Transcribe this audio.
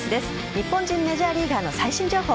日本人メジャーリーガーの最新情報。